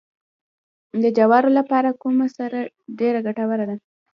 د جوارو لپاره کومه سره ډیره ګټوره ده؟